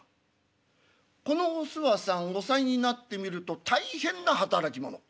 このおすわさん後妻になってみると大変な働き者。